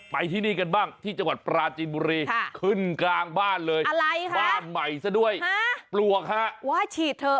ไปที่นี่กันบ้างที่จังหวัดปราจีนบุรีขึ้นกลางบ้านเลยบ้านใหม่ซะด้วยปลวกฮะว่าฉีดเถอะ